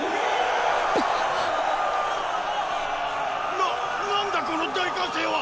⁉なっ何だこの大喚声は！